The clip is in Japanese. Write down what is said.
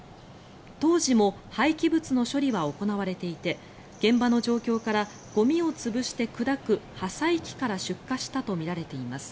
当時も廃棄物の処理は行われていて現場の状況からゴミを潰して砕く破砕機から出火したとみられています。